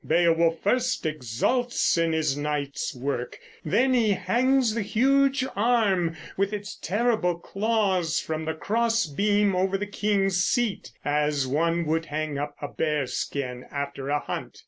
Beowulf first exults in his night's work; then he hangs the huge arm with its terrible claws from a cross beam over the king's seat, as one would hang up a bear's skin after a hunt.